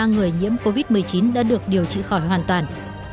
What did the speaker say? bảy trăm sáu mươi ba người nhiễm covid một mươi chín đã được điều trị khỏi hoàn toàn